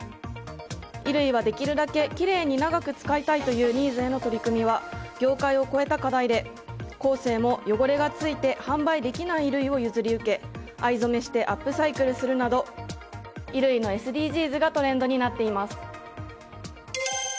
衣類はできるだけきれいに長く使いたいというニーズへの取り組みは業界を越えた課題でコーセーも汚れがついて販売できない衣類を譲り受け藍染めしてアップサイクルするなど衣類のＳＤＧｓがトレンドになっています。